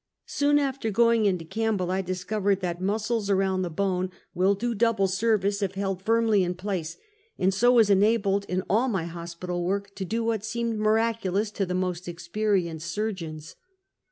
Soon after going into Camp bell, I discovered that muscles around the bone will Take Final Leave of Feedeeicksbueg. 349 do double service if held firmly in pLace, and so was enabled in all my hospital work, to do what seemed miraculous to the most experienced surgeons.